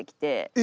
え